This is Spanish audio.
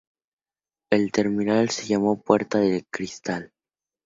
El terminal se llamó Puerta de Cristal.